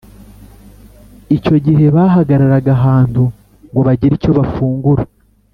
Icyo igihe bahagararaga ahantu ngo bagire icyo bafungura